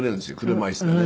車椅子でね。